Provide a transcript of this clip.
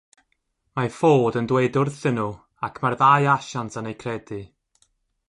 Mae Ford yn dweud wrthyn nhw ac mae'r ddau asiant yn eu credu.